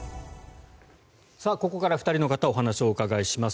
ここから２人の方にお話をお伺いします。